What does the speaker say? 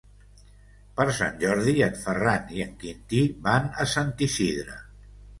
Per Sant Jordi en Ferran i en Quintí van a Sant Isidre.